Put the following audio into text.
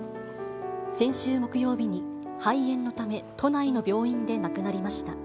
先週木曜日に、肺炎のため、都内の病院で亡くなりました。